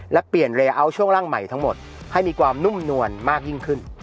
และเปลี่ยนเลอัลช่วงร่างใหม่ทั้งหมดให้มีความนุ่มนวลมากยิ่งขึ้น